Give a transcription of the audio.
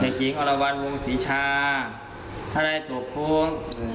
เด็กหญิงเอาระวัลวงศรีชาถ้าได้ตกภูมิ